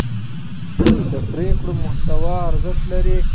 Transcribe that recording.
د پرېکړو محتوا ارزښت لري